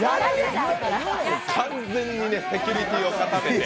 完全にセキュリティーを高めて。